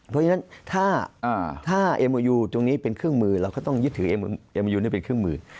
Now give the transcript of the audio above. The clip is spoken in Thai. เพราะฉะนั้นถ้าเอโมยูตรงนี้เป็นเครื่องมือเราก็ต้องยึดถือเอมิยูนี่เป็นเครื่องมือ